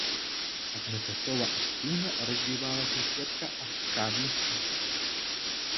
Адначасова актыўна развівалася сетка ашчадных кас.